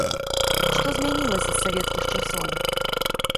Што змянілася з савецкіх часоў?